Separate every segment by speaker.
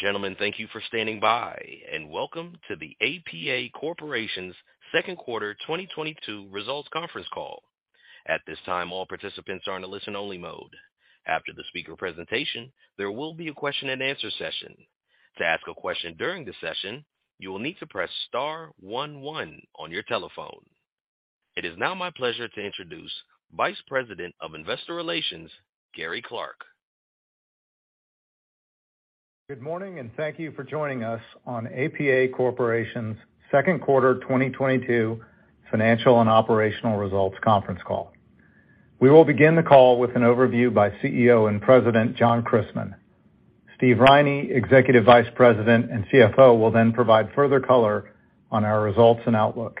Speaker 1: Gentlemen, thank you for standing by, and welcome to the APA Corporation's second quarter 2022 results conference call. At this time, all participants are in a listen-only mode. After the speaker presentation, there will be a question-and-answer session. To ask a question during the session, you will need to press star one one on your telephone. It is now my pleasure to introduce Vice President of Investor Relations, Gary Clark.
Speaker 2: Good morning, and thank you for joining us on APA Corporation's second quarter 2022 financial and operational results conference call. We will begin the call with an overview by CEO and President, John Christmann. Steve Riney, Executive Vice President and CFO, will then provide further color on our results and outlook.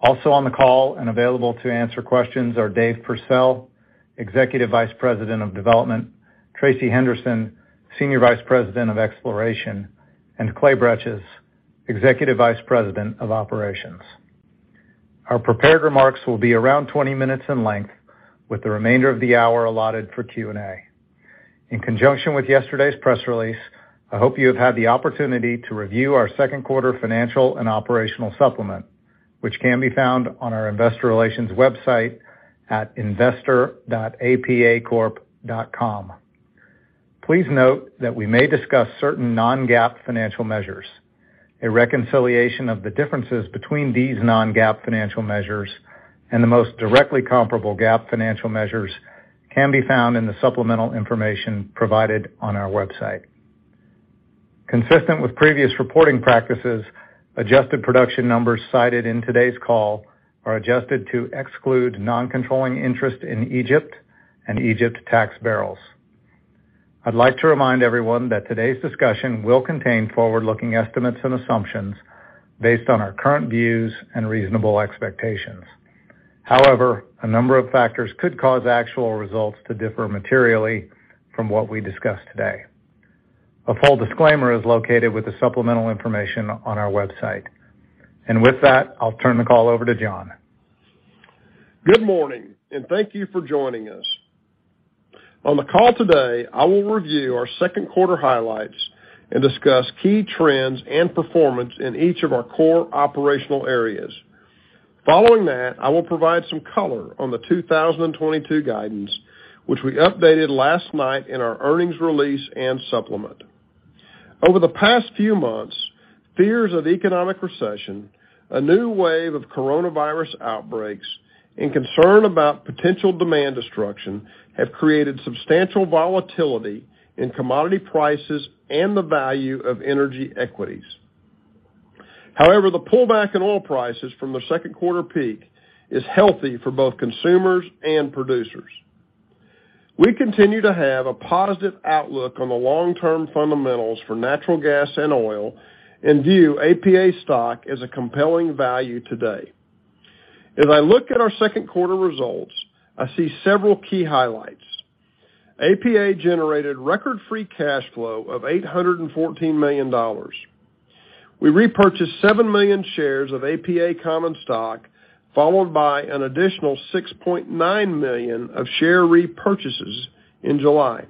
Speaker 2: Also on the call and available to answer questions are Dave Pursell, Executive Vice President of Development, Tracey Henderson, Senior Vice President of Exploration, and Clay Bretches, Executive Vice President of Operations. Our prepared remarks will be around 20 minutes in length, with the remainder of the hour allotted for Q&A. In conjunction with yesterday's press release, I hope you have had the opportunity to review our second quarter financial and operational supplement, which can be found on our investor relations website at investor.apacorp.com. Please note that we may discuss certain non-GAAP financial measures. A reconciliation of the differences between these non-GAAP financial measures and the most directly comparable GAAP financial measures can be found in the supplemental information provided on our website. Consistent with previous reporting practices, adjusted production numbers cited in today's call are adjusted to exclude non-controlling interest in Egypt and Egypt tax barrels. I'd like to remind everyone that today's discussion will contain forward-looking estimates and assumptions based on our current views and reasonable expectations. However, a number of factors could cause actual results to differ materially from what we discuss today. A full disclaimer is located with the supplemental information on our website. With that, I'll turn the call over to John.
Speaker 3: Good morning, and thank you for joining us. On the call today, I will review our second quarter highlights and discuss key trends and performance in each of our core operational areas. Following that, I will provide some color on the 2022 guidance, which we updated last night in our earnings release and supplement. Over the past few months, fears of economic recession, a new wave of coronavirus outbreaks, and concern about potential demand destruction have created substantial volatility in commodity prices and the value of energy equities. However, the pullback in oil prices from the second quarter peak is healthy for both consumers and producers. We continue to have a positive outlook on the long-term fundamentals for natural gas and oil and view APA stock as a compelling value today. As I look at our second quarter results, I see several key highlights. APA generated record free cash flow of $814 million. We repurchased 7 million shares of APA common stock, followed by an additional 6.9 million of share repurchases in July.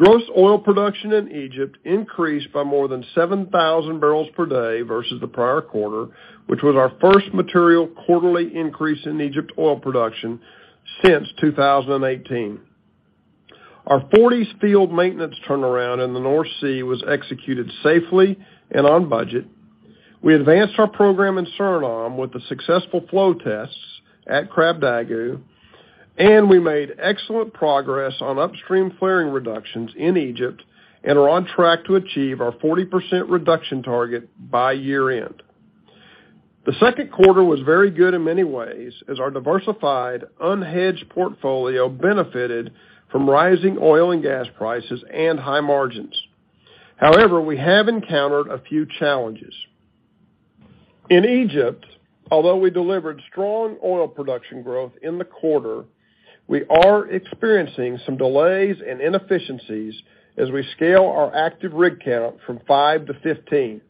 Speaker 3: Gross oil production in Egypt increased by more than 7,000 barrels per day versus the prior quarter, which was our first material quarterly increase in Egypt oil production since 2018. Our Forties field maintenance turnaround in the North Sea was executed safely and on budget. We advanced our program in Suriname with the successful flow tests at Krabdagu, and we made excellent progress on upstream flaring reductions in Egypt and are on track to achieve our 40% reduction target by year-end. The second quarter was very good in many ways as our diversified, unhedged portfolio benefited from rising oil and gas prices and high margins. However, we have encountered a few challenges. In Egypt, although we delivered strong oil production growth in the quarter, we are experiencing some delays and inefficiencies as we scale our active rig count from 5 to 15.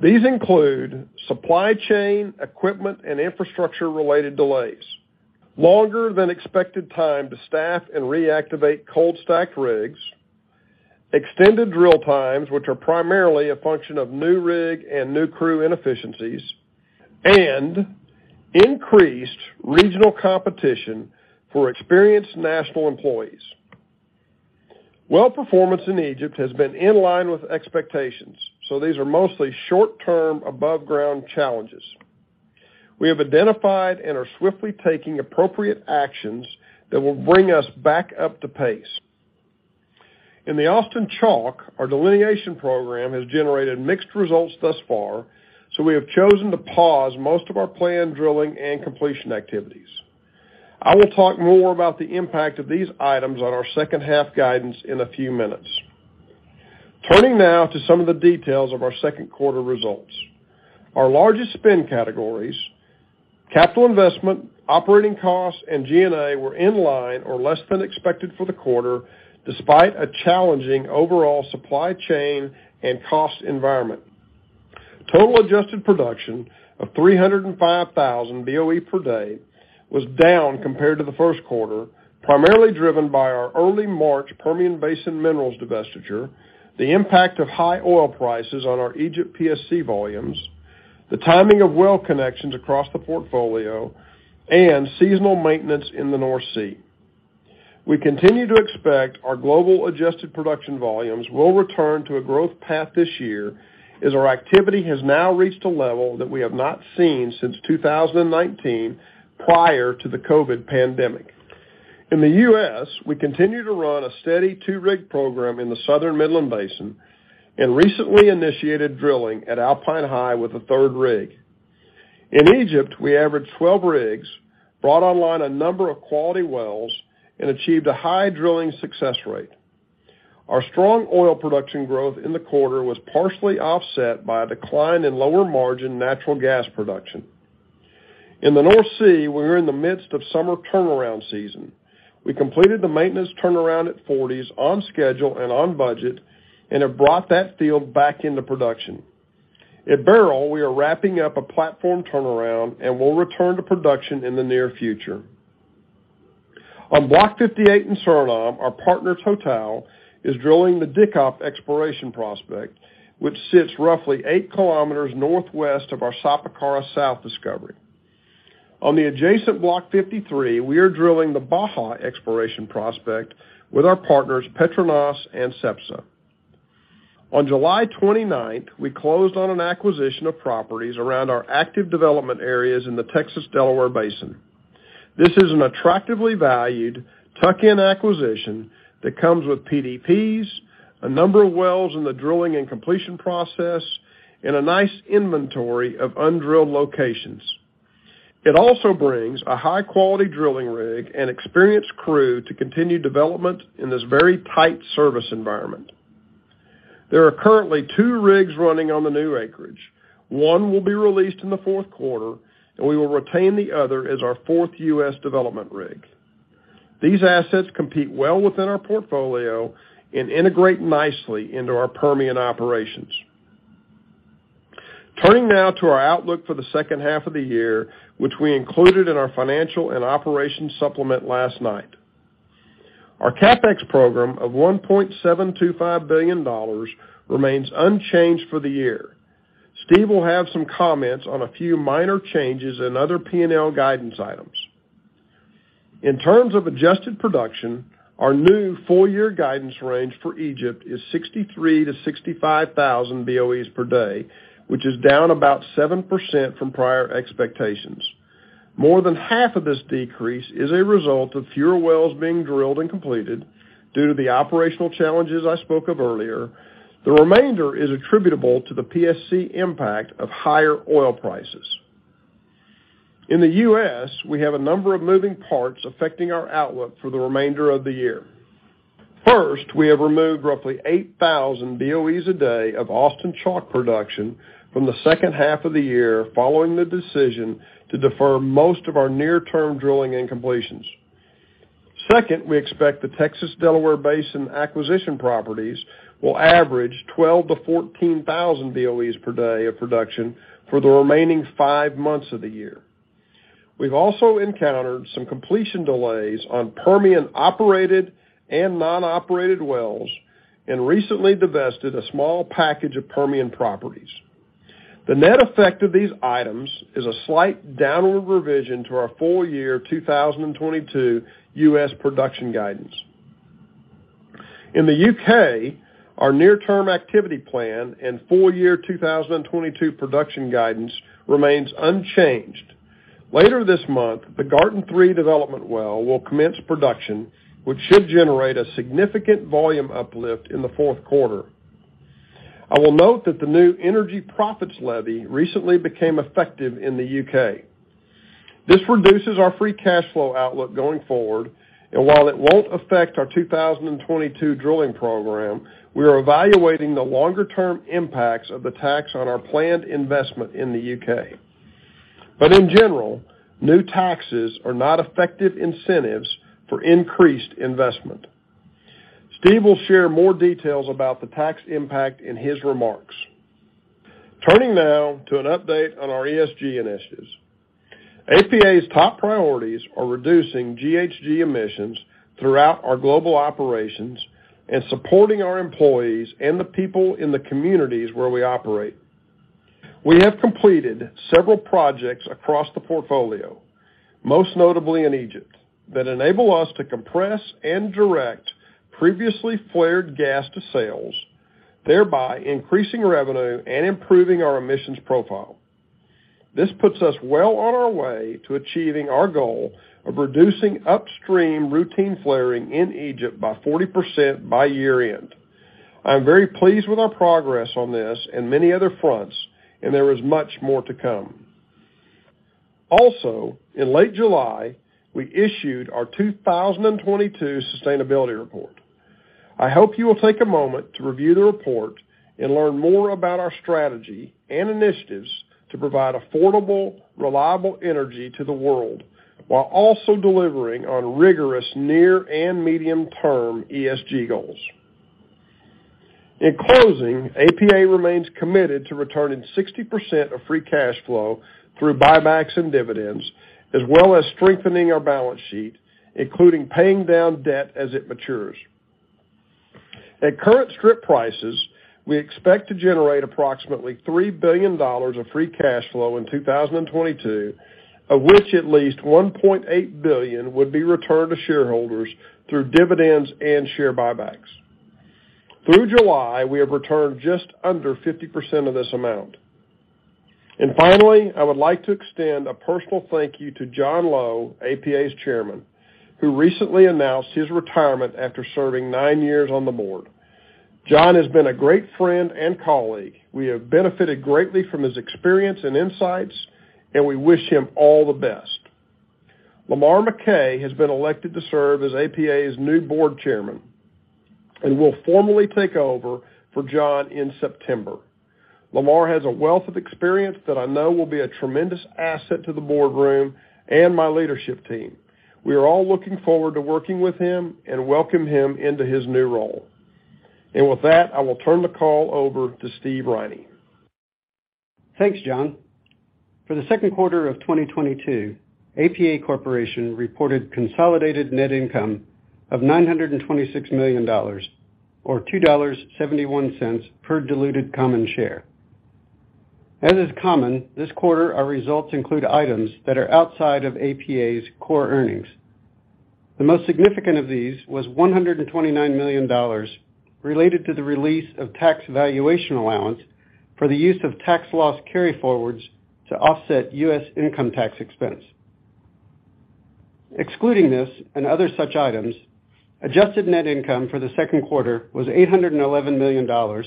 Speaker 3: These include supply chain, equipment, and infrastructure-related delays, longer than expected time to staff and reactivate cold stacked rigs, extended drill times, which are primarily a function of new rig and new crew inefficiencies, and increased regional competition for experienced national employees. Well performance in Egypt has been in line with expectations, so these are mostly short-term above-ground challenges. We have identified and are swiftly taking appropriate actions that will bring us back up to pace. In the Austin Chalk, our delineation program has generated mixed results thus far, so we have chosen to pause most of our planned drilling and completion activities. I will talk more about the impact of these items on our second-half guidance in a few minutes. Turning now to some of the details of our second quarter results. Our largest spend categories, capital investment, operating costs, and G&A, were in line or less than expected for the quarter despite a challenging overall supply chain and cost environment. Total adjusted production of 305,000 BOE per day was down compared to the first quarter, primarily driven by our early March Permian Basin minerals divestiture, the impact of high oil prices on our Egypt PSC volumes, the timing of well connections across the portfolio, and seasonal maintenance in the North Sea. We continue to expect our global adjusted production volumes will return to a growth path this year, as our activity has now reached a level that we have not seen since 2019 prior to the COVID pandemic. In the US, we continue to run a steady two-rig program in the Southern Midland Basin, and recently initiated drilling at Alpine High with a third rig. In Egypt, we averaged 12 rigs, brought online a number of quality wells, and achieved a high drilling success rate. Our strong oil production growth in the quarter was partially offset by a decline in lower margin natural gas production. In the North Sea, we were in the midst of summer turnaround season. We completed the maintenance turnaround at Forties on schedule and on budget, and have brought that field back into production. At Beryl, we are wrapping up a platform turnaround and will return to production in the near future. On Block 58 in Suriname, our partner, TotalEnergies, is drilling the Dikop exploration prospect, which sits roughly eight kilometers northwest of our Sapakara South discovery. On the adjacent Block 53, we are drilling the Baja exploration prospect with our partners, Petronas and Cepsa. On July 29th, we closed on an acquisition of properties around our active development areas in the Texas Delaware Basin. This is an attractively valued tuck-in acquisition that comes with PDPs, a number of wells in the drilling and completion process, and a nice inventory of undrilled locations. It also brings a high-quality drilling rig and experienced crew to continue development in this very tight service environment. There are currently two rigs running on the new acreage. One will be released in the fourth quarter, and we will retain the other as our fourth U.S. Development Rig. These assets compete well within our portfolio and integrate nicely into our Permian operations. Turning now to our outlook for the second half of the year, which we included in our financial and operations supplement last night. Our CapEx program of $1.725 billion remains unchanged for the year. Steve will have some comments on a few minor changes in other P&L guidance items. In terms of adjusted production, our new full-year guidance range for Egypt is 63,000-65,000 BOEs per day, which is down about 7% from prior expectations. More than half of this decrease is a result of fewer wells being drilled and completed due to the operational challenges I spoke of earlier. The remainder is attributable to the PSC impact of higher oil prices. In the U.S., we have a number of moving parts affecting our outlook for the remainder of the year. First, we have removed roughly 8,000 BOEs a day of Austin Chalk production from the second half of the year following the decision to defer most of our near-term drilling and completions. Second, we expect the Texas Delaware Basin acquisition properties will average 12,000-14,000 BOEs per day of production for the remaining five months of the year. We've also encountered some completion delays on Permian-operated and non-operated wells and recently divested a small package of Permian properties. The net effect of these items is a slight downward revision to our full-year 2022 U.S. production guidance. In the U.K., our near-term activity plan and full-year 2022 production guidance remains unchanged. Later this month, the Garten-3 development well will commence production, which should generate a significant volume uplift in the fourth quarter. I will note that the new Energy Profits Levy recently became effective in the U.K. This reduces our free cash flow outlook going forward, and while it won't affect our 2022 drilling program, we are evaluating the longer-term impacts of the tax on our planned investment in the U.K. In general, new taxes are not effective incentives for increased investment. Steve will share more details about the tax impact in his remarks. Turning now to an update on our ESG initiatives. APA's top priorities are reducing GHG emissions throughout our global operations and supporting our employees and the people in the communities where we operate. We have completed several projects across the portfolio, most notably in Egypt, that enable us to compress and direct previously flared gas to sales, thereby increasing revenue and improving our emissions profile. This puts us well on our way to achieving our goal of reducing upstream routine flaring in Egypt by 40% by year-end. I am very pleased with our progress on this and many other fronts, and there is much more to come. Also, in late July, we issued our 2022 sustainability report. I hope you will take a moment to review the report and learn more about our strategy and initiatives. To provide affordable, reliable energy to the world while also delivering on rigorous near and medium-term ESG goals. In closing, APA remains committed to returning 60% of free cash flow through buybacks and dividends, as well as strengthening our balance sheet, including paying down debt as it matures. At current strip prices, we expect to generate approximately $3 billion of free cash flow in 2022, of which at least $1.8 billion would be returned to shareholders through dividends and share buybacks. Through July, we have returned just under 50% of this amount. Finally, I would like to extend a personal thank you to John E. Lowe, APA's Chairman, who recently announced his retirement after serving nine years on the board. John has been a great friend and colleague. We have benefited greatly from his experience and insights, and we wish him all the best. Lamar McKay has been elected to serve as APA's new Board Chairman and will formally take over for John Lowe in September. Lamar has a wealth of experience that I know will be a tremendous asset to the boardroom and my leadership team. We are all looking forward to working with him and welcome him into his new role. With that, I will turn the call over to Steve Riney.
Speaker 4: Thanks, John. For the second quarter of 2022, APA Corporation reported consolidated net income of $926 million or $2.71 per diluted common share. As is common, this quarter our results include items that are outside of APA's core earnings. The most significant of these was $129 million related to the release of tax valuation allowance for the use of tax loss carryforwards to offset U.S. income tax expense. Excluding this and other such items, adjusted net income for the second quarter was $811 million or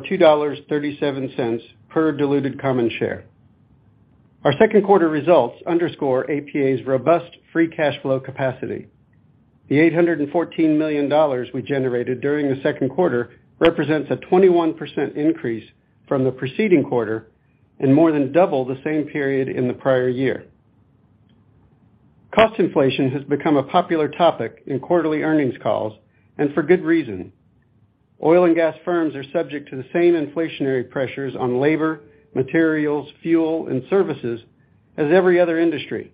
Speaker 4: $2.37 per diluted common share. Our second quarter results underscore APA's robust free cash flow capacity. The $814 million we generated during the second quarter represents a 21% increase from the preceding quarter and more than double the same period in the prior year. Cost inflation has become a popular topic in quarterly earnings calls, and for good reason. Oil and gas firms are subject to the same inflationary pressures on labor, materials, fuel, and services as every other industry.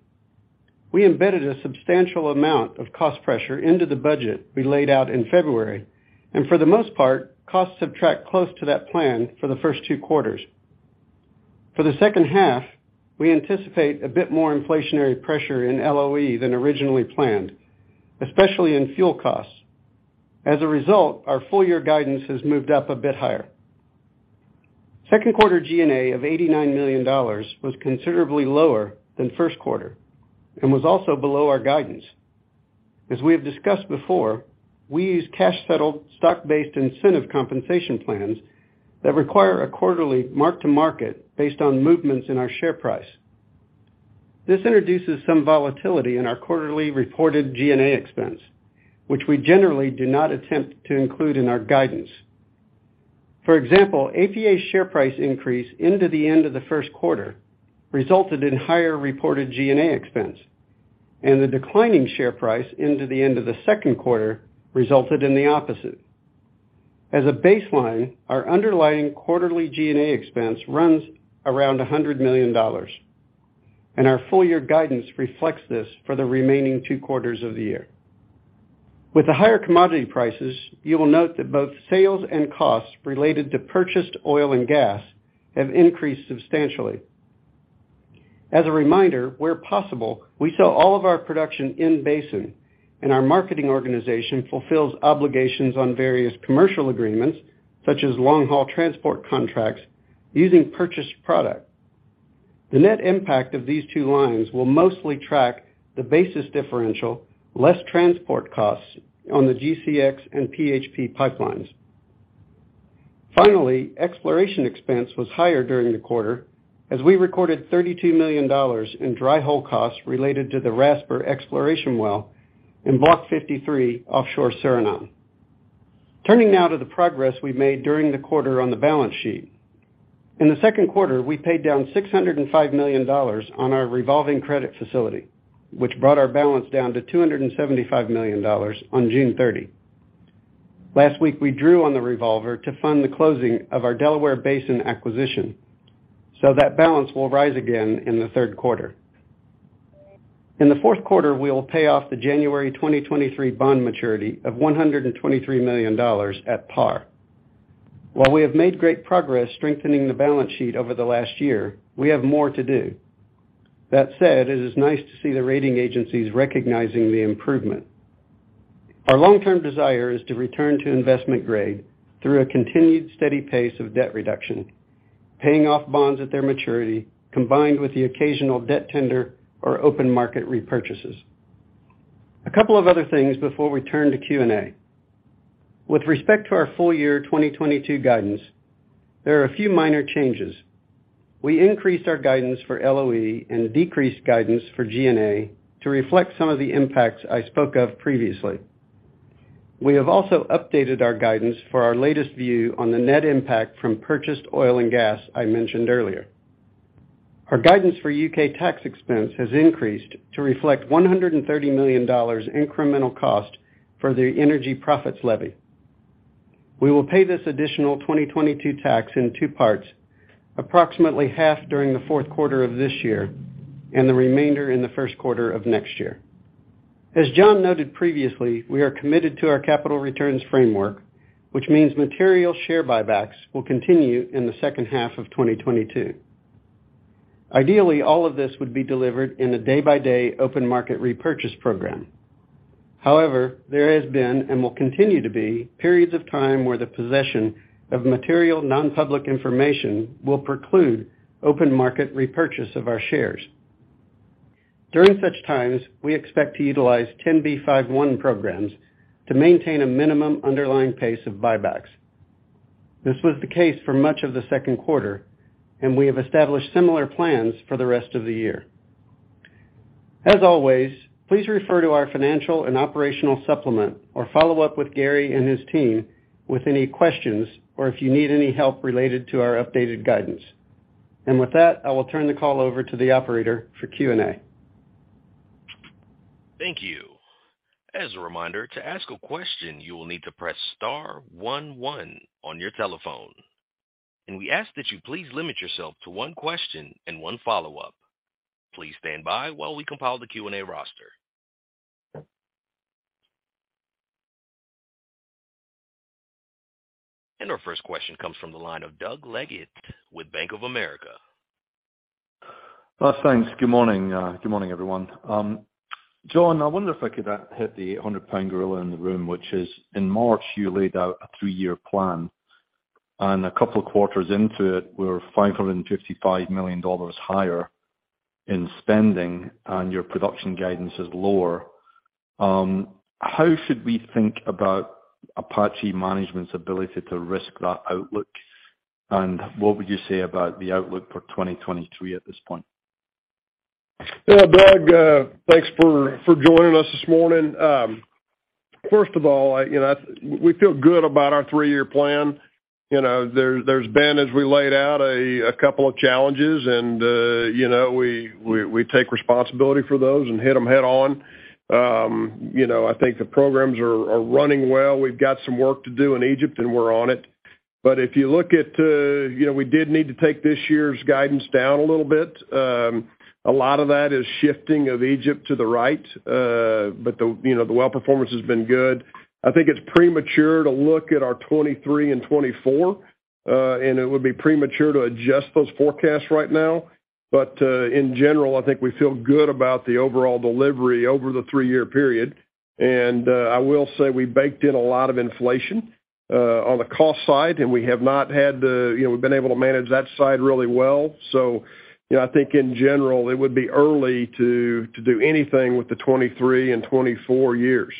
Speaker 4: We embedded a substantial amount of cost pressure into the budget we laid out in February, and for the most part, costs have tracked close to that plan for the first two quarters. For the second half, we anticipate a bit more inflationary pressure in LOE than originally planned, especially in fuel costs. As a result, our full year guidance has moved up a bit higher. Second quarter G&A of $89 million was considerably lower than first quarter and was also below our guidance. As we have discussed before, we use cash-settled, stock-based incentive compensation plans that require a quarterly mark-to-market based on movements in our share price. This introduces some volatility in our quarterly reported G&A expense, which we generally do not attempt to include in our guidance. For example, APA's share price increase into the end of the first quarter resulted in higher reported G&A expense, and the declining share price into the end of the second quarter resulted in the opposite. As a baseline, our underlying quarterly G&A expense runs around $100 million, and our full year guidance reflects this for the remaining two quarters of the year. With the higher commodity prices, you will note that both sales and costs related to purchased oil and gas have increased substantially. As a reminder, where possible, we sell all of our production in basin, and our marketing organization fulfills obligations on various commercial agreements, such as long-haul transport contracts, using purchased product. The net impact of these two lines will mostly track the basis differential, less transport costs on the GCX and PHP pipelines. Finally, exploration expense was higher during the quarter as we recorded $32 million in dry hole costs related to the Rasper exploration well in Block 53 offshore Suriname. Turning now to the progress we made during the quarter on the balance sheet. In the second quarter, we paid down $605 million on our revolving credit facility, which brought our balance down to $275 million on June 30. Last week, we drew on the revolver to fund the closing of our Delaware Basin acquisition, so that balance will rise again in the third quarter. In the fourth quarter, we will pay off the January 2023 bond maturity of $123 million at par. While we have made great progress strengthening the balance sheet over the last year, we have more to do. That said, it is nice to see the rating agencies recognizing the improvement. Our long-term desire is to return to investment grade through a continued steady pace of debt reduction, paying off bonds at their maturity, combined with the occasional debt tender or open market repurchases. A couple of other things before we turn to Q&A. With respect to our full year 2022 guidance, there are a few minor changes. We increased our guidance for LOE and decreased guidance for G&A to reflect some of the impacts I spoke of previously. We have also updated our guidance for our latest view on the net impact from purchased oil and gas I mentioned earlier. Our guidance for U.K. tax expense has increased to reflect $130 million incremental cost for the Energy Profits Levy. We will pay this additional 2022 tax in two parts, approximately half during the fourth quarter of this year and the remainder in the first quarter of next year. As John noted previously, we are committed to our capital returns framework, which means material share buybacks will continue in the second half of 2022. Ideally, all of this would be delivered in a day-by-day open market repurchase program. However, there has been and will continue to be periods of time where the possession of material nonpublic information will preclude open market repurchase of our shares. During such times, we expect to utilize 10b5-1 programs to maintain a minimum underlying pace of buybacks. This was the case for much of the second quarter, and we have established similar plans for the rest of the year. As always, please refer to our financial and operational supplement or follow up with Gary and his team with any questions or if you need any help related to our updated guidance. With that, I will turn the call over to the operator for Q&A.
Speaker 1: Thank you. As a reminder, to ask a question, you will need to press star one one on your telephone. We ask that you please limit yourself to one question and one follow-up. Please stand by while we compile the Q&A roster. Our first question comes from the line of Doug Leggate with Bank of America.
Speaker 5: Thanks. Good morning. Good morning, everyone. John, I wonder if I could hit the hundred-pound gorilla in the room, which is in March, you laid out a three-year plan, and a couple of quarters into it, we're $555 million higher in spending and your production guidance is lower. How should we think about Apache management's ability to risk that outlook? And what would you say about the outlook for 2023 at this point?
Speaker 3: Yeah, Doug, thanks for joining us this morning. First of all, you know, we feel good about our three-year plan. You know, there's been, as we laid out, a couple of challenges and, you know, we take responsibility for those and hit them head-on. You know, I think the programs are running well. We've got some work to do in Egypt and we're on it. If you look at, you know, we did need to take this year's guidance down a little bit. A lot of that is shifting of Egypt to the right, but you know, the well performance has been good. I think it's premature to look at our 2023 and 2024, and it would be premature to adjust those forecasts right now. In general, I think we feel good about the overall delivery over the three-year period. I will say we baked in a lot of inflation on the cost side, and we have not had that. You know, we've been able to manage that side really well. You know, I think in general, it would be early to do anything with the 2023 and 2024 years.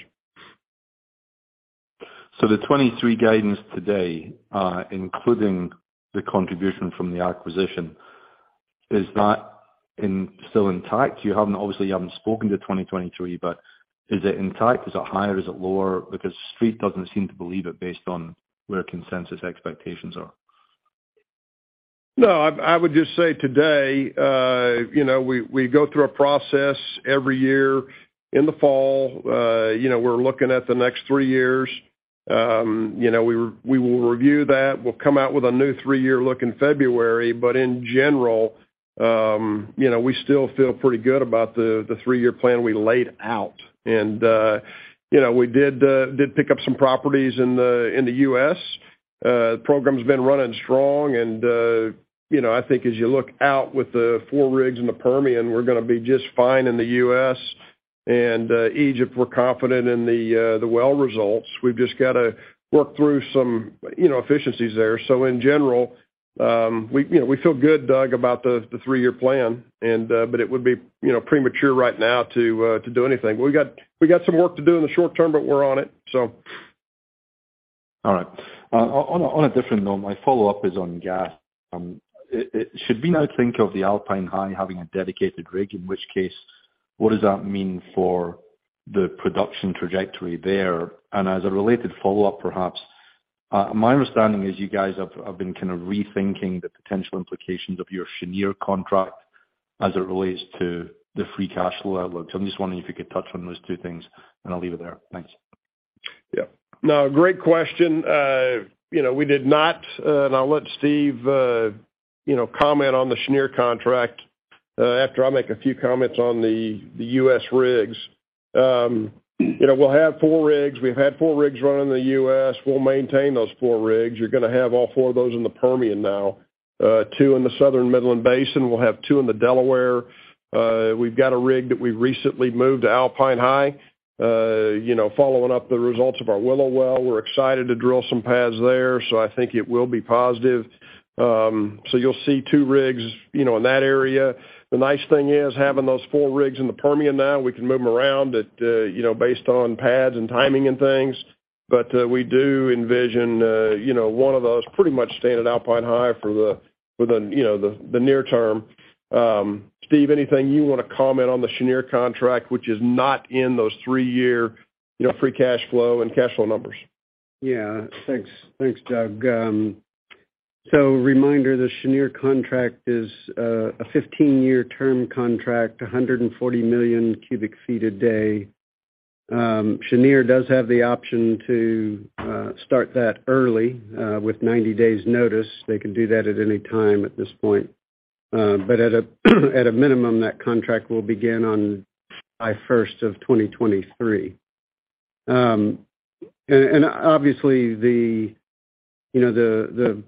Speaker 5: The 2023 guidance today, including the contribution from the acquisition, is it still intact? You haven't, obviously, spoken to 2023, but is it intact? Is it higher? Is it lower? Because Street doesn't seem to believe it based on where consensus expectations are.
Speaker 3: No, I would just say today, you know, we go through a process every year in the fall. You know, we're looking at the next three years. You know, we will review that. We'll come out with a new three-year look in February. But in general, you know, we still feel pretty good about the three-year plan we laid out. You know, we did pick up some properties in the U.S. The program's been running strong and, you know, I think as you look out with the four rigs in the Permian, we're gonna be just fine in the U.S. Egypt, we're confident in the well results. We've just got to work through some, you know, efficiencies there. In general, you know, we feel good, Doug, about the three-year plan, but it would be, you know, premature right now to do anything. We got some work to do in the short term, but we're on it.
Speaker 5: All right. On a different note, my follow-up is on gas. Should we now think of the Alpine High having a dedicated rig, in which case, what does that mean for the production trajectory there? As a related follow-up, perhaps, my understanding is you guys have been kind of rethinking the potential implications of your Cheniere contract as it relates to the free cash flow outlook. I'm just wondering if you could touch on those two things, and I'll leave it there. Thanks.
Speaker 3: Yeah. No, great question. You know, we did not, and I'll let Steve, you know, comment on the Cheniere contract, after I make a few comments on the U.S. rigs. You know, we'll have four rigs. We've had four rigs running in the U.S. We'll maintain those four rigs. You're gonna have all four of those in the Permian now, two in the Southern Midland Basin. We'll have two in the Delaware. We've got a rig that we recently moved to Alpine High. You know, following up the results of our Willow well, we're excited to drill some pads there. I think it will be positive. You'll see two rigs, you know, in that area. The nice thing is having those four rigs in the Permian now, we can move them around at, based on pads and timing and things. We do envision one of those pretty much staying at Alpine High for the near term. Steve, anything you wanna comment on the Cheniere contract, which is not in those three-year free cash flow and cash flow numbers?
Speaker 4: Yeah. Thanks. Thanks, John. Reminder, the Cheniere contract is a 15-year term contract, 140 million cubic feet a day. Cheniere does have the option to start that early with 90 days notice. They can do that at any time at this point. At a minimum, that contract will begin on July first of 2023. And obviously, you know,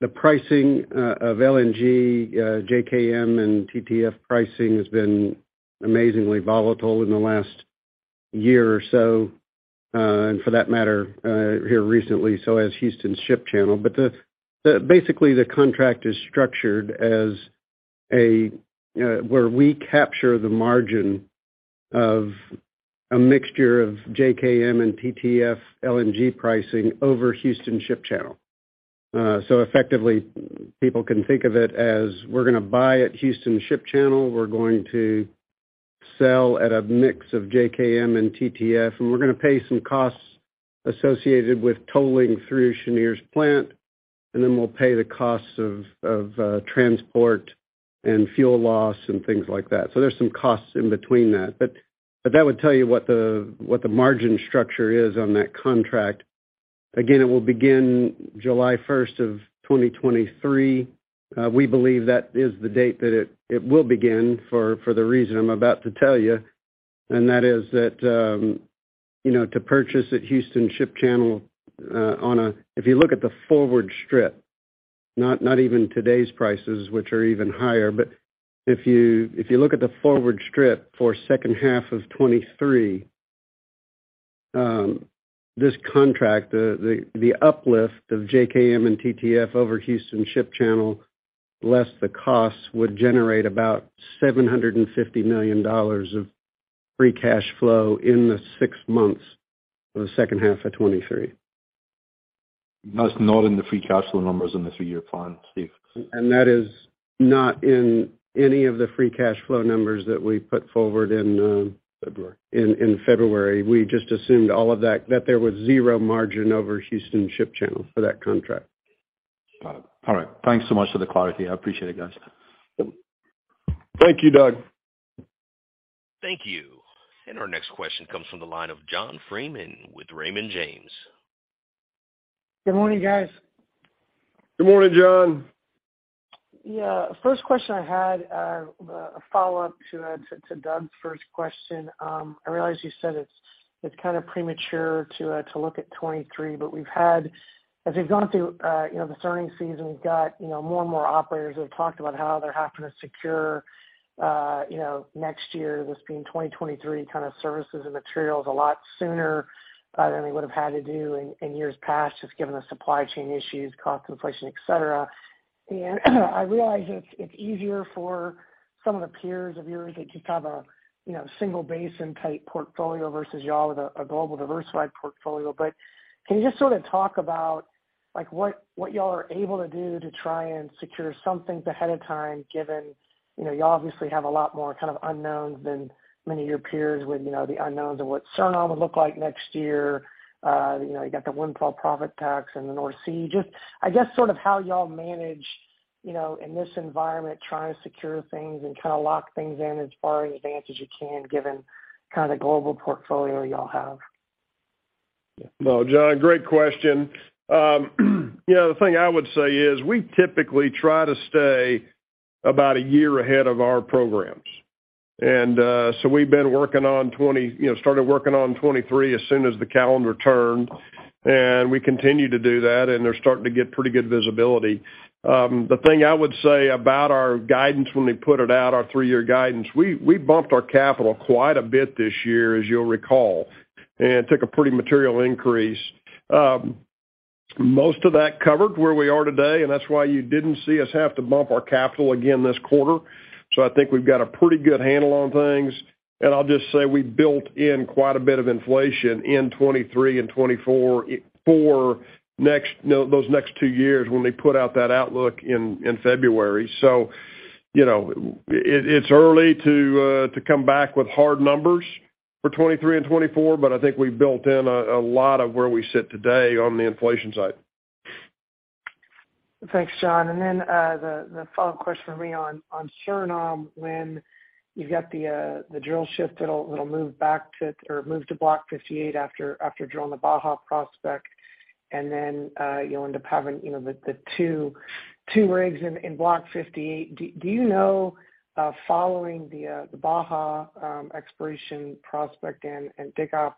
Speaker 4: the pricing of LNG, JKM and TTF pricing has been amazingly volatile in the last year or so, and for that matter, here recently, so has Houston Ship Channel. Basically, the contract is structured as where we capture the margin of a mixture of JKM and TTF LNG pricing over Houston Ship Channel. Effectively people can think of it as we're gonna buy at Houston Ship Channel, we're going to sell at a mix of JKM and TTF, and we're gonna pay some costs associated with tolling through Cheniere's plant, and then we'll pay the costs of transport and fuel loss and things like that. There's some costs in between that. But that would tell you what the margin structure is on that contract. Again, it will begin July first of 2023. We believe that is the date that it will begin for the reason I'm about to tell you, and that is that you know, to purchase at Houston Ship Channel on a. If you look at the forward strip, not even today's prices, which are even higher, but if you look at the forward strip for second half of 2023, this contract, the uplift of JKM and TTF over Houston Ship Channel, less the costs would generate about $750 million of free cash flow in the six months for the second half of 2023.
Speaker 5: That's not in the free cash flow numbers in the three-year plan, Steve.
Speaker 4: That is not in any of the free cash flow numbers that we put forward in.
Speaker 3: February
Speaker 4: In February. We just assumed all of that there was zero margin over Houston Ship Channel for that contract.
Speaker 5: Got it. All right. Thanks so much for the clarity. I appreciate it, guys.
Speaker 3: Thank you, Doug.
Speaker 1: Thank you. Our next question comes from the line of John Freeman with Raymond James.
Speaker 6: Good morning, guys.
Speaker 3: Good morning, John.
Speaker 6: Yeah. First question I had, a follow-up to Doug's first question. I realize you said it's kind of premature to look at 2023, but we've had as we've gone through, you know, the earnings season. We've got, you know, more and more operators who have talked about how they're having to secure, you know, next year, this being 2023 kind of services and materials a lot sooner than they would've had to do in years past, just given the supply chain issues, cost inflation, et cetera. I realize it's easier for some of the peers of yours that just have a, you know, single basin-type portfolio versus y'all with a global diversified portfolio. Can you just sort of talk about, like, what y'all are able to do to try and secure some things ahead of time, given, you know, y'all obviously have a lot more kind of unknowns than many of your peers with, you know, the unknowns of what Suriname will look like next year. You know, you got the windfall profit tax in the North Sea. Just I guess sort of how y'all manage, you know, in this environment, trying to secure things and kinda lock things in as far in advance as you can, given kinda the global portfolio y'all have.
Speaker 3: Well, John, great question. You know, the thing I would say is we typically try to stay about a year ahead of our programs. You know, started working on 2023 as soon as the calendar turned, and we continue to do that and are starting to get pretty good visibility. The thing I would say about our guidance when we put it out, our three-year guidance, we bumped our capital quite a bit this year, as you'll recall, and took a pretty material increase. Most of that covered where we are today, and that's why you didn't see us have to bump our capital again this quarter. I think we've got a pretty good handle on things. I'll just say we built in quite a bit of inflation in 2023 and 2024, for next, you know, those next two years when we put out that outlook in February. You know, it's early to come back with hard numbers for 2023 and 2024, but I think we've built in a lot of where we sit today on the inflation side.
Speaker 6: Thanks, John. The follow-up question for me on Suriname. When you've got the drill ship that'll move back to or move to Block 58 after drilling the Baja prospect, and then you'll end up having, you know, the two rigs in Block 58. Do you know, following the Baja exploration prospect and Dikkop,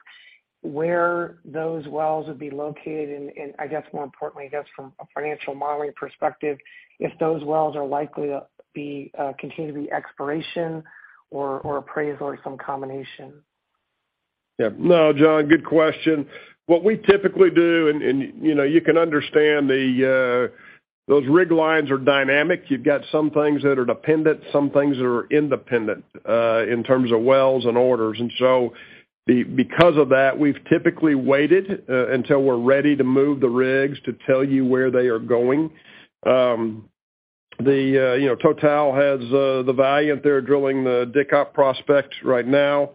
Speaker 6: where those wells would be located and I guess more importantly, I guess from a financial modeling perspective, if those wells are likely to continue to be exploration or appraisal or some combination?
Speaker 3: Yeah. No, John, good question. What we typically do, you know, you can understand the, those rig lines are dynamic. You've got some things that are dependent, some things that are independent, in terms of wells and orders. Because of that, we've typically waited until we're ready to move the rigs to tell you where they are going. You know, Total has the Valiant. They're drilling the Dikkop prospect right now.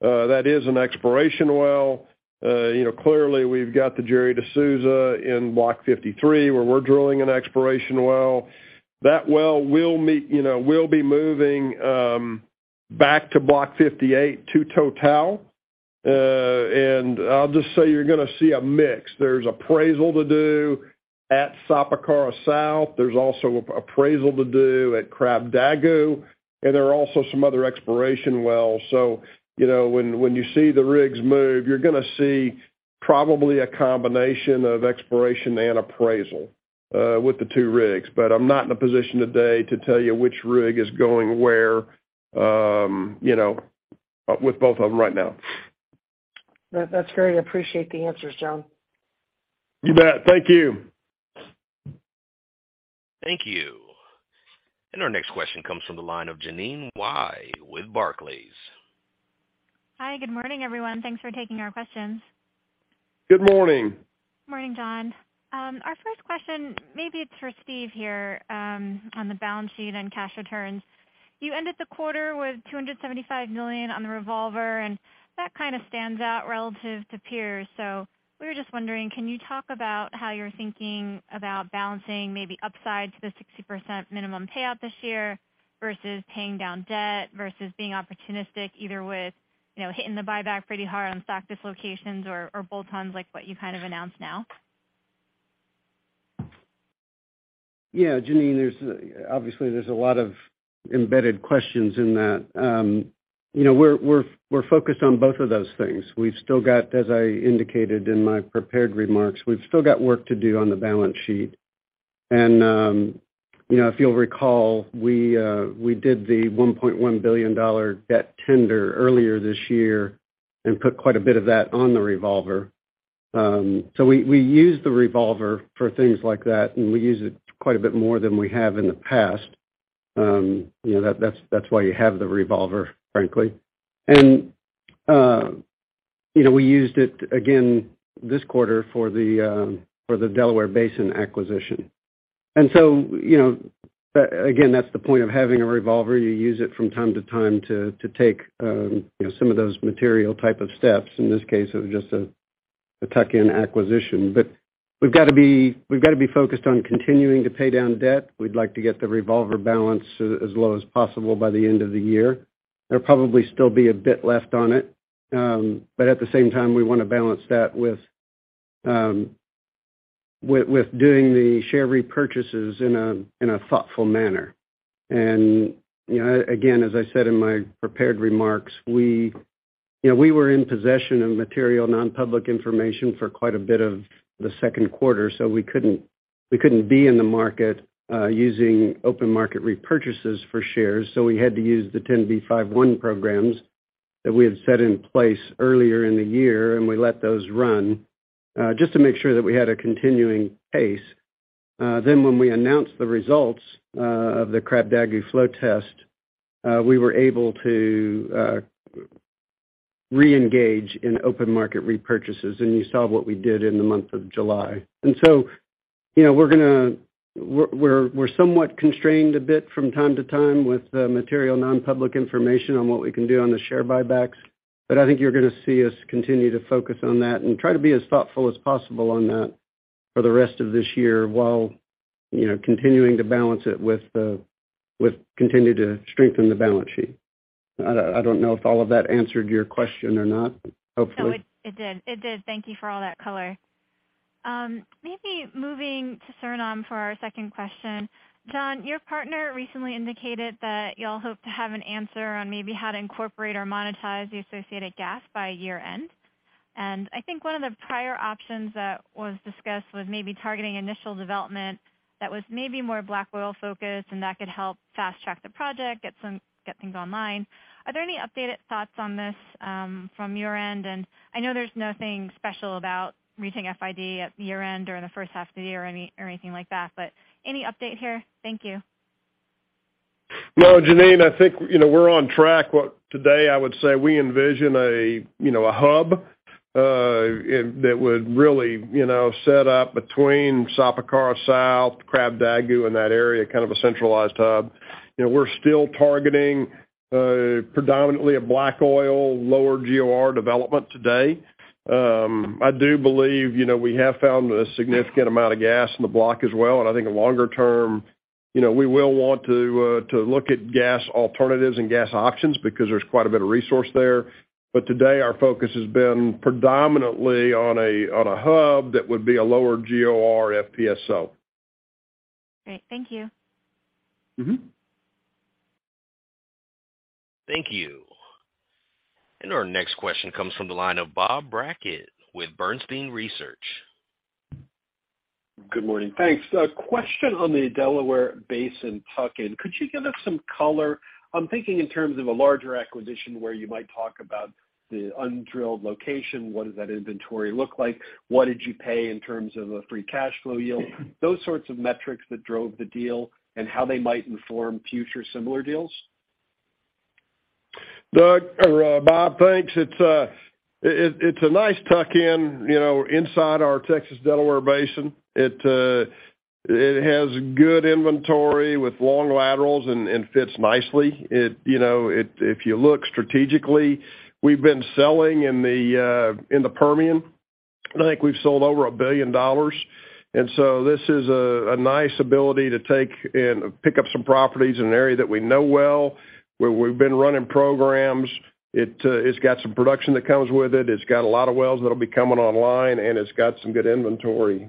Speaker 3: That is an exploration well. You know, clearly, we've got the Gerry de Souza in Block 53, where we're drilling an exploration well. That well, you know, will be moving back to Block 58 to Total. I'll just say you're gonna see a mix. There's appraisal to do at Sapakara South. There's also appraisal to do at Krabdagu, and there are also some other exploration wells. You know, when you see the rigs move, you're gonna see probably a combination of exploration and appraisal with the two rigs. I'm not in a position today to tell you which rig is going where, you know, with both of them right now.
Speaker 6: That's great. Appreciate the answers, John.
Speaker 3: You bet. Thank you.
Speaker 1: Thank you. Our next question comes from the line of Jeanine Wai with Barclays.
Speaker 7: Hi, good morning, everyone. Thanks for taking our questions.
Speaker 3: Good morning.
Speaker 7: Morning, John. Our first question, maybe it's for Steve here, on the balance sheet and cash returns. You ended the quarter with $275 million on the revolver, and that kind of stands out relative to peers. We were just wondering, can you talk about how you're thinking about balancing maybe upside to the 60% minimum payout this year versus paying down debt, versus being opportunistic either with, you know, hitting the buyback pretty hard on stock dislocations or bolt-ons, like what you kind of announced now?
Speaker 4: Yeah. Jeanine, there's obviously a lot of embedded questions in that. You know, we're focused on both of those things. We've still got, as I indicated in my prepared remarks, we've still got work to do on the balance sheet. You know, if you'll recall, we did the $1.1 billion debt tender earlier this year and put quite a bit of that on the revolver. We use the revolver for things like that, and we use it quite a bit more than we have in the past. You know, that's why you have the revolver, frankly. You know, we used it again this quarter for the Delaware Basin acquisition. You know, again, that's the point of having a revolver. You use it from time to time to take you know some of those material type of steps. In this case, it was just a tuck-in acquisition. We've gotta be focused on continuing to pay down debt. We'd like to get the revolver balance as low as possible by the end of the year. There'll probably still be a bit left on it. At the same time, we wanna balance that with doing the share repurchases in a thoughtful manner. You know, again, as I said in my prepared remarks, you know we were in possession of material nonpublic information for quite a bit of the second quarter, so we couldn't be in the market using open market repurchases for shares. We had to use the 10b5-1 programs that we had set in place earlier in the year, and we let those run, just to make sure that we had a continuing pace. When we announced the results of the Krabdagu flow test, we were able to reengage in open market repurchases, and you saw what we did in the month of July. You know, we're somewhat constrained a bit from time to time with the material nonpublic information on what we can do on the share buybacks. I think you're gonna see us continue to focus on that and try to be as thoughtful as possible on that for the rest of this year while, you know, continuing to balance it with continuing to strengthen the balance sheet. I don't know if all of that answered your question or not. Hopefully.
Speaker 7: No, it did. It did. Thank you for all that color. Maybe moving to Suriname for our second question. John, your partner recently indicated that y'all hope to have an answer on maybe how to incorporate or monetize the associated gas by year-end. I think one of the prior options that was discussed was maybe targeting initial development that was maybe more black oil-focused and that could help fast-track the project, get things online. Are there any updated thoughts on this from your end? I know there's nothing special about reaching FID at year-end or in the first half of the year or anything like that, but any update here? Thank you.
Speaker 3: No, Jeanine. I think, you know, we're on track. Today, I would say we envision a, you know, a hub, and that would really, you know, set up between Sapakara South, Krabdagu, and that area, kind of a centralized hub. You know, we're still targeting, predominantly a black oil, lower GOR development today. I do believe, you know, we have found a significant amount of gas in the block as well. I think longer term, you know, we will want to look at gas alternatives and gas options because there's quite a bit of resource there. Today, our focus has been predominantly on a, on a hub that would be a lower GOR FPSO.
Speaker 7: Great. Thank you.
Speaker 3: Mm-hmm.
Speaker 1: Thank you. Our next question comes from the line of Bob Brackett with Bernstein Research.
Speaker 8: Good morning. Thanks. A question on the Delaware Basin tuck-in. Could you give us some color? I'm thinking in terms of a larger acquisition where you might talk about the undrilled location, what does that inventory look like? What did you pay in terms of a free cash flow yield? Those sorts of metrics that drove the deal and how they might inform future similar deals.
Speaker 3: Doug or Bob, thanks. It's a nice tuck-in, you know, inside our Texas Delaware Basin. It has good inventory with long laterals and fits nicely. It, you know, if you look strategically, we've been selling in the Permian. I think we've sold over $1 billion. This is a nice ability to take and pick up some properties in an area that we know well, where we've been running programs. It's got some production that comes with it. It's got a lot of wells that'll be coming online, and it's got some good inventory.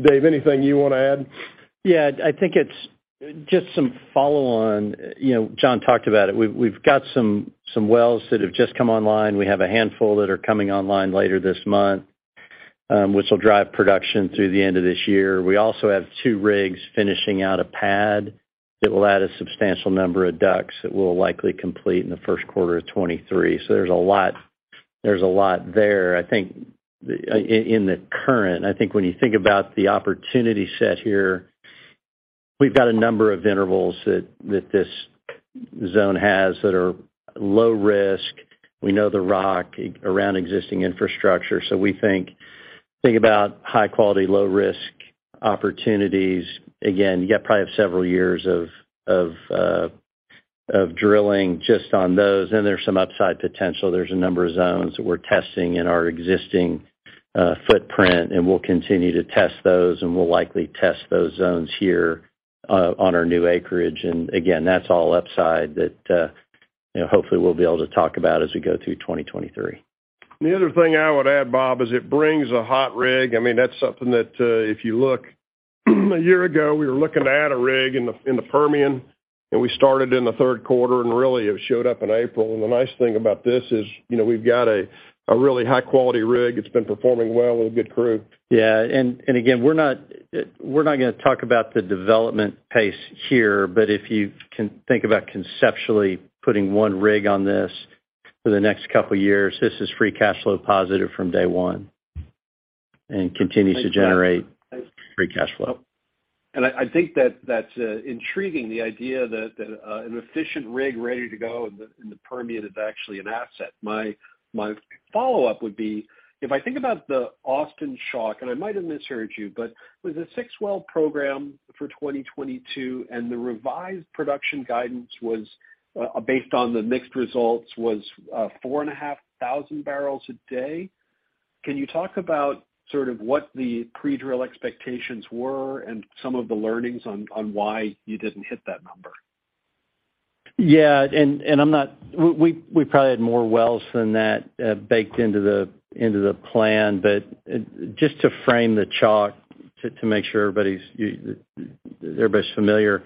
Speaker 3: Dave, anything you wanna add?
Speaker 9: Yeah. I think it's just some follow-on. You know, John talked about it. We've got some wells that have just come online. We have a handful that are coming online later this month, which will drive production through the end of this year. We also have two rigs finishing out a pad that will add a substantial number of DUCs that we'll likely complete in the first quarter of 2023. There's a lot there. I think in the current. I think when you think about the opportunity set here, we've got a number of intervals that this zone has that are low risk. We know the rock around existing infrastructure. We think about high quality, low risk opportunities. Again, you got probably have several years of drilling just on those, and there's some upside potential. There's a number of zones that we're testing in our existing footprint, and we'll continue to test those, and we'll likely test those zones here on our new acreage. Again, that's all upside that you know, hopefully we'll be able to talk about as we go through 2023.
Speaker 3: The other thing I would add, Bob, is it brings a hot rig. I mean, that's something that, if you look, a year ago, we were looking to add a rig in the Permian, and we started in the third quarter, and really it showed up in April. The nice thing about this is, you know, we've got a really high-quality rig. It's been performing well with a good crew.
Speaker 9: Yeah. Again, we're not gonna talk about the development pace here, but if you can think about conceptually putting one rig on this for the next couple of years, this is free cash flow positive from day one and continues to generate free cash flow.
Speaker 8: I think that's intriguing, the idea that an efficient rig ready to go in the Permian is actually an asset. My follow-up would be, if I think about the Austin Chalk, and I might have misheard you, but with a six-well program for 2022, and the revised production guidance was based on the mixed results, was 4,500 barrels a day. Can you talk about sort of what the pre-drill expectations were and some of the learnings on why you didn't hit that number?
Speaker 9: Yeah. I'm not. We probably had more wells than that baked into the plan. To frame the talk to make sure everybody's familiar,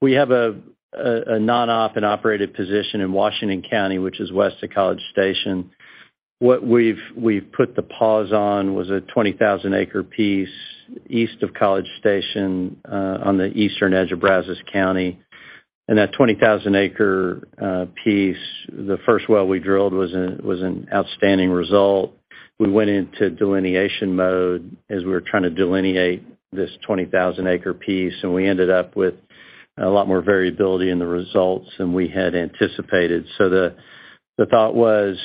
Speaker 9: we have a non-op and operated position in Washington County, which is west of College Station. What we've put the pause on was a 20,000-acre piece east of College Station on the eastern edge of Brazos County. That 20,000-acre piece, the first well we drilled was an outstanding result. We went into delineation mode as we were trying to delineate this 20,000-acre piece, and we ended up with a lot more variability in the results than we had anticipated. The thought was,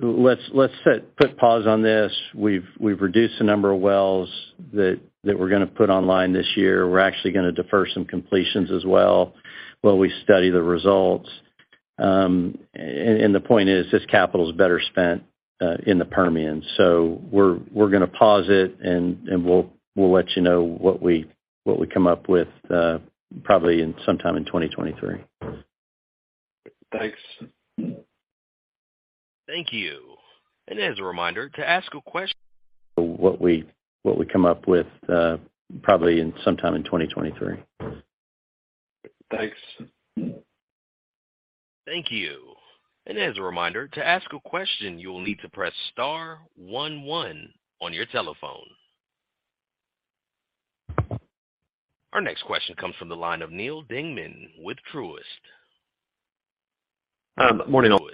Speaker 9: let's put pause on this. We've reduced the number of wells that we're gonna put online this year. We're actually gonna defer some completions as well while we study the results. The point is, this capital is better spent in the Permian. We're gonna pause it, and we'll let you know what we come up with, probably sometime in 2023.
Speaker 8: Thanks.
Speaker 1: Thank you. As a reminder, to ask a question.
Speaker 9: What we come up with probably sometime in 2023.
Speaker 8: Thanks.
Speaker 1: Thank you. As a reminder, to ask a question, you will need to press star one one on your telephone. Our next question comes from the line of Neal Dingmann with Truist.
Speaker 10: Morning, all.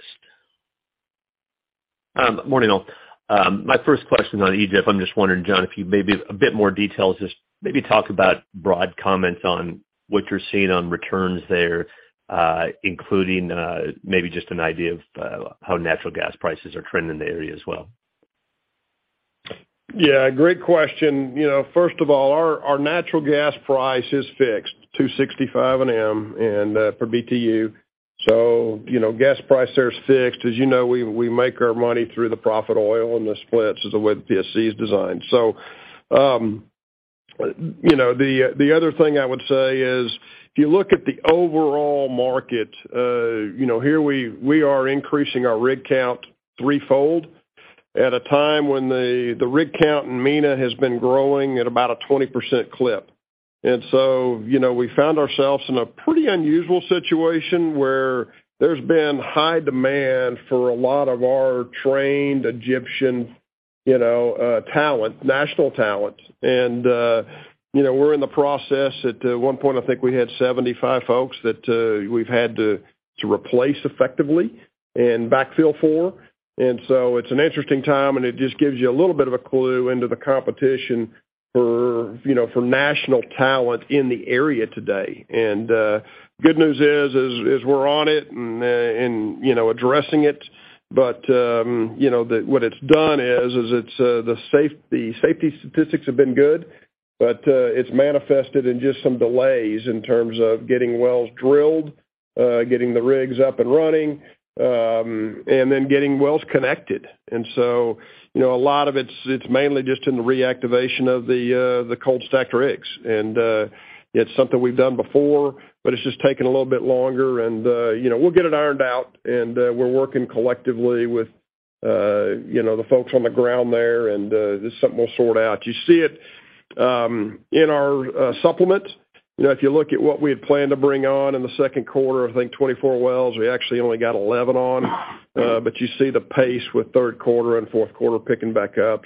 Speaker 10: My first question on Egypt. I'm just wondering, John, if you maybe a bit more details, just maybe talk about broad comments on what you're seeing on returns there, including, maybe just an idea of, how natural gas prices are trending in the area as well.
Speaker 3: Yeah, great question. You know, first of all, our natural gas price is fixed $2.65 an MMBtu. You know, gas price there is fixed. As you know, we make our money through the profit oil and the splits is the way the PSC is designed. You know, the other thing I would say is, if you look at the overall market, you know, here we are increasing our rig count threefold at a time when the rig count in MENA has been growing at about a 20% clip. You know, we found ourselves in a pretty unusual situation where there's been high demand for a lot of our trained Egyptian talent, national talent. You know, we're in the process. At one point, I think we had 75 folks that we've had to replace effectively and backfill for. It's an interesting time, and it just gives you a little bit of a clue into the competition for, you know, for national talent in the area today. Good news is we're on it and, you know, addressing it. What it's done is it's the safety statistics have been good, but it's manifested in just some delays in terms of getting wells drilled, getting the rigs up and running, and then getting wells connected. You know, a lot of it's mainly just in the reactivation of the cold stacked rigs. It's something we've done before, but it's just taking a little bit longer and you know, we'll get it ironed out, and we're working collectively with you know, the folks on the ground there, and just something we'll sort out. You see it in our supplement. You know, if you look at what we had planned to bring on in the second quarter, I think 24 wells, we actually only got 11 on. But you see the pace with third quarter and fourth quarter picking back up.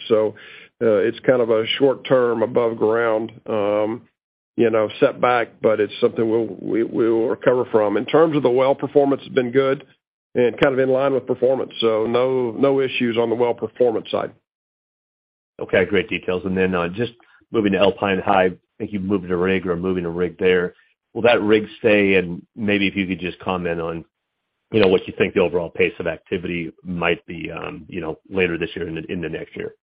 Speaker 3: It's kind of a short term above ground you know, setback, but it's something we will recover from. In terms of the well performance, has been good and kind of in line with performance, so no issues on the well performance side.
Speaker 10: Okay. Great details. Just moving to Alpine High. I think you've moved a rig or are moving a rig there. Will that rig stay? Maybe if you could just comment on, you know, what you think the overall pace of activity might be, you know, later this year and in the next year.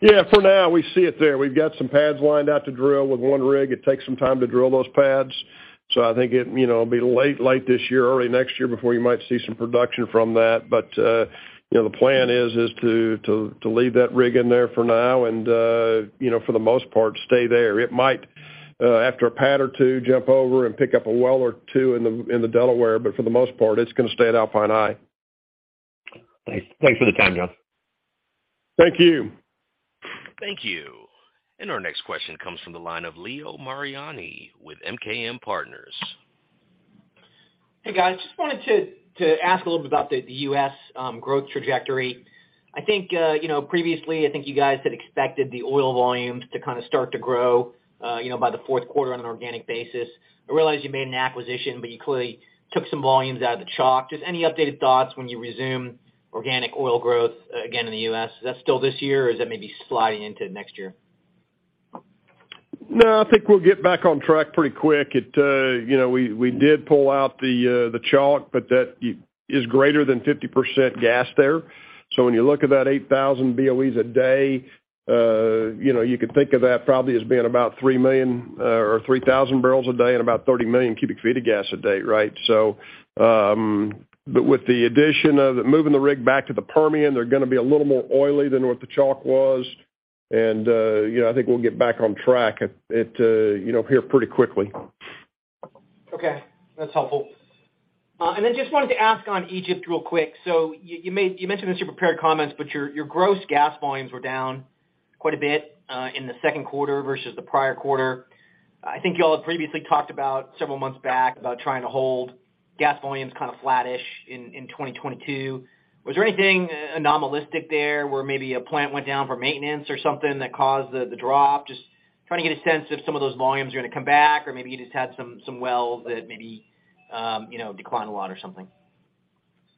Speaker 3: Yeah. For now, we see it there. We've got some pads lined up to drill with one rig. It takes some time to drill those pads. I think it, you know, be late this year or early next year before you might see some production from that. You know, the plan is to leave that rig in there for now and, you know, for the most part, stay there. It might, after a pad or two, jump over and pick up a well or two in the Delaware, but for the most part, it's gonna stay at Alpine High.
Speaker 10: Thanks. Thanks for the time, John.
Speaker 3: Thank you.
Speaker 1: Thank you. Our next question comes from the line of Leo Mariani with MKM Partners.
Speaker 11: Hey, guys. Just wanted to ask a little bit about the the U.S. growth trajectory. I think you know, previously, I think you guys had expected the oil volumes to kind of start to grow you know, by the fourth quarter on an organic basis. I realize you made an acquisition, but you clearly took some volumes out of the chalk. Just any updated thoughts when you resume organic oil growth again in the U.S., is that still this year, or is that maybe sliding into next year?
Speaker 3: No, I think we'll get back on track pretty quick. It, you know, we did pull out the chalk, but that is greater than 50% gas there. When you look at that 8,000 BOEs a day, you know, you could think of that probably as being about 3 million or 3,000 barrels a day and about 30 million cubic feet of gas a day, right? But with the addition of moving the rig back to the Permian, they're gonna be a little more oily than what the chalk was. I think we'll get back on track here pretty quickly.
Speaker 11: Okay. That's helpful. I just wanted to ask on Egypt real quick. You mentioned this in your prepared comments, but your gross gas volumes were down quite a bit in the second quarter versus the prior quarter. I think y'all have previously talked about several months back about trying to hold gas volumes kind of flattish in 2022. Was there anything anomalous there where maybe a plant went down for maintenance or something that caused the drop? Just trying to get a sense if some of those volumes are gonna come back or maybe you just had some wells that maybe you know decline a lot or something.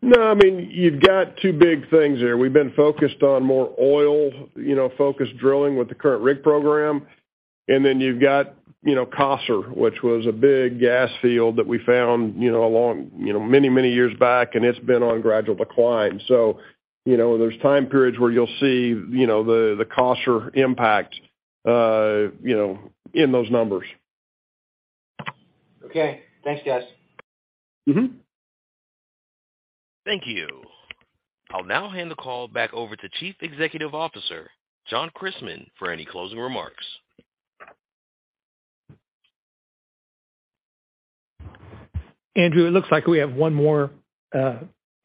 Speaker 3: No, I mean, you've got two big things there. We've been focused on more oil, you know, focused drilling with the current rig program. You've got, you know, Qasr, which was a big gas field that we found, you know, along, you know, many, many years back, and it's been on gradual decline. You know, there's time periods where you'll see, you know, the Qasr impact, you know, in those numbers.
Speaker 11: Okay. Thanks, guys.
Speaker 3: Mm-hmm.
Speaker 1: Thank you. I'll now hand the call back over to Chief Executive Officer, John Christmann, for any closing remarks.
Speaker 10: Andrew, it looks like we have one more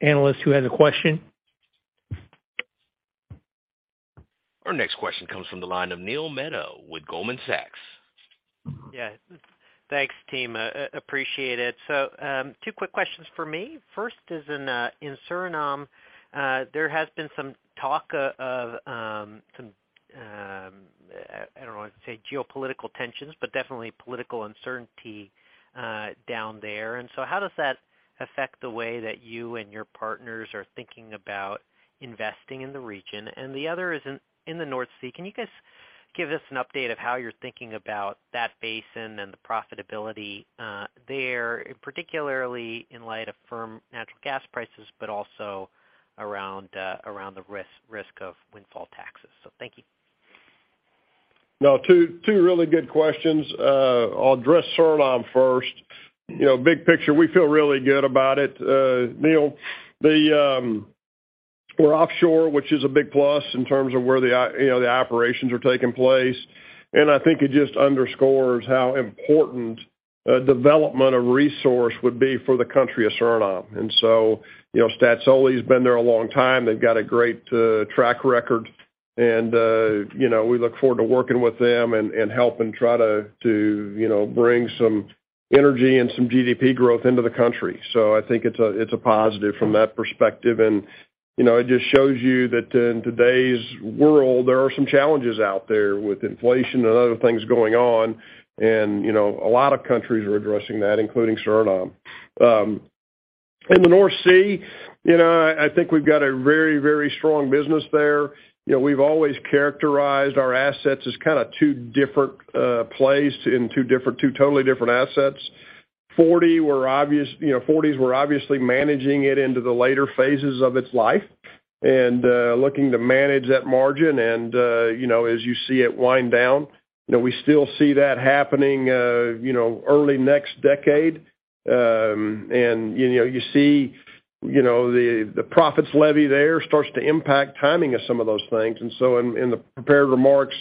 Speaker 10: analyst who has a question.
Speaker 1: Our next question comes from the line of Neil Mehta with Goldman Sachs.
Speaker 3: Mm-hmm.
Speaker 12: Yeah. Thanks, team. Appreciate it. Two quick questions for me. First is in Suriname, there has been some talk of some, I don't know, say geopolitical tensions, but definitely political uncertainty down there. How does that affect the way that you and your partners are thinking about investing in the region? The other is in the North Sea. Can you guys give us an update of how you're thinking about that basin and the profitability there, particularly in light of firm natural gas prices, but also around the risk of windfall taxes? Thank you.
Speaker 3: No, two really good questions. I'll address Suriname first. You know, big picture, we feel really good about it, Neal. We're offshore, which is a big plus in terms of where you know, the operations are taking place, and I think it just underscores how important a development of resource would be for the country of Suriname. You know, Staatsolie has been there a long time. They've got a great track record and, you know, we look forward to working with them and helping try to you know, bring some energy and some GDP growth into the country. I think it's a positive from that perspective. You know, it just shows you that in today's world, there are some challenges out there with inflation and other things going on. You know, a lot of countries are addressing that, including Suriname. In the North Sea, you know, I think we've got a very, very strong business there. You know, we've always characterized our assets as kinda two different plays in two totally different assets. Forties, we're obviously managing it into the later phases of its life and looking to manage that margin and, you know, as you see it wind down. You know, we still see that happening, you know, early next decade. You know, you see, you know, the profits levy there starts to impact timing of some of those things. In the prepared remarks,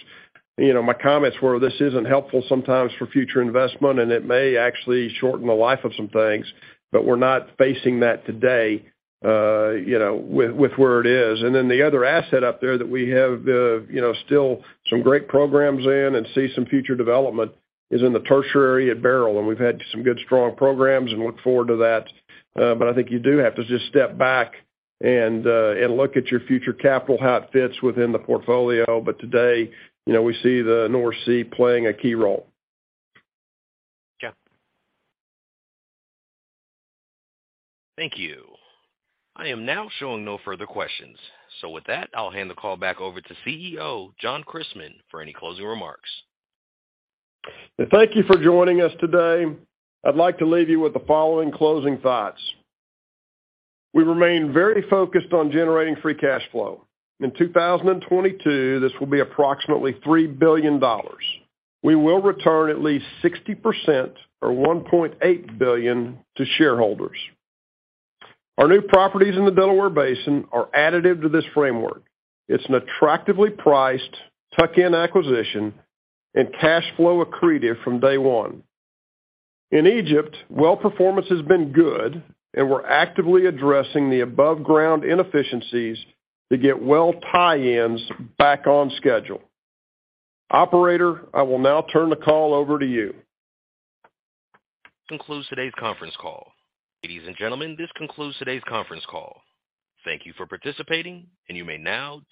Speaker 3: you know, my comments were this isn't helpful sometimes for future investment, and it may actually shorten the life of some things, but we're not facing that today, you know, with where it is. The other asset up there that we have, you know, still some great programs in and see some future development is in the tertiary at Beryl, and we've had some good, strong programs and look forward to that. I think you do have to just step back and look at your future capital, how it fits within the portfolio. Today, you know, we see the North Sea playing a key role.
Speaker 2: Yeah.
Speaker 1: Thank you. I am now showing no further questions. With that, I'll hand the call back over to CEO, John Christmann, for any closing remarks.
Speaker 3: Thank you for joining us today. I'd like to leave you with the following closing thoughts. We remain very focused on generating free cash flow. In 2022, this will be approximately $3 billion. We will return at least 60% or $1.8 billion to shareholders. Our new properties in the Delaware Basin are additive to this framework. It's an attractively priced tuck-in acquisition and cash flow accretive from day one. In Egypt, well performance has been good, and we're actively addressing the above ground inefficiencies to get well tie-ins back on schedule. Operator, I will now turn the call over to you.
Speaker 1: This concludes today's conference call. Ladies and gentlemen, this concludes today's conference call. Thank you for participating, and you may now disconnect.